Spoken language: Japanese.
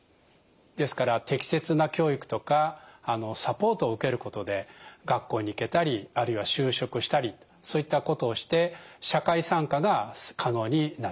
ですから適切な教育とかサポートを受けることで学校に行けたりあるいは就職したりそういったことをして社会参加が可能になっていきます。